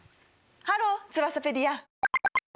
ハローツバサペディア。